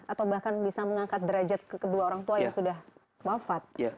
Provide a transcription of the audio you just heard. atau bahkan bisa mengangkat derajat ke kedua orang tua yang sudah wafat